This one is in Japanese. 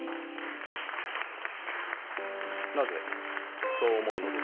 なぜそう思うのですか？